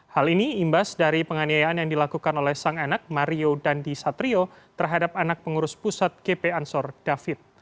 hal ini imbas dari penganiayaan yang dilakukan oleh sang anak mario dandi satrio terhadap anak pengurus pusat gp ansor david